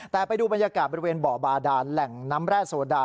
แต่ไปดูบรรยากาศบริเวณบ่อบาดานแหล่งน้ำแร่โซดา